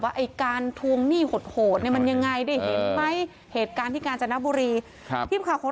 ว่าการทวงหนี้โหดมันยังไงหรือมีการที่การจนาบบุรีขาของ